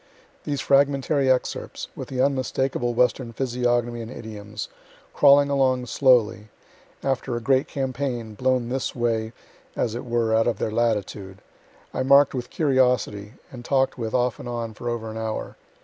These fragmentary excerpts, with the unmistakable Western physiognomy and idioms, crawling along slowly after a great campaign, blown this way, as it were, out of their latitude I mark'd with curiosity, and talk'd with off and on for over an hour.